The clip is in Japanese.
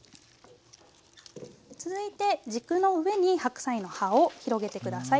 続いて軸の上に白菜の葉を広げて下さい。